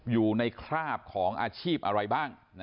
อยู่ในคราบของอาชีพอะไรบ้าง